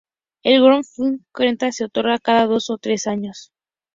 El Gottfried Keller se otorga cada dos o tres años.